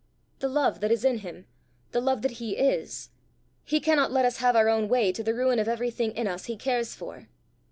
"The love that is in him, the love that he is. He cannot let us have our own way to the ruin of everything in us he cares for!"